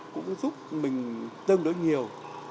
cũng giúp mình tương đối nhiều